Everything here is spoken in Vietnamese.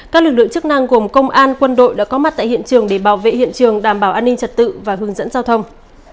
các lực lượng chức năng gồm công an quân đội đã có mặt tại hiện trường để bảo vệ hiện trường đảm bảo an ninh trật tự và hướng dẫn giao thông